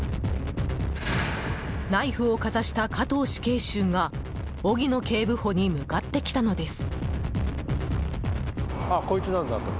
ナイフをかざした加藤死刑囚が荻野警部補に向かってきたのです。